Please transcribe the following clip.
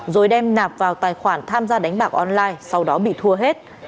rồi đem nạp vào tài khoản tham gia đánh bạc online sau đó bị thua hết